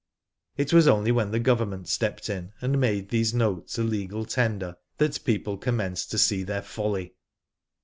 It was only when the Government stepped in and made these notes a legal tender that people commenced to see their folly.